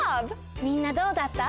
みんなどうだった？